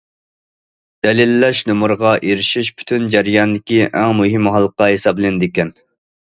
دەلىللەش نومۇرىغا ئېرىشىش پۈتۈن جەرياندىكى ئەڭ مۇھىم ھالقا ھېسابلىنىدىكەن.